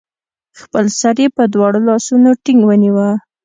خپل سر يې په دواړو لاسونو ټينګ ونيوه